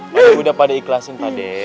pak d udah pak d ikhlasin pak d